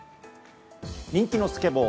人気のスケボー。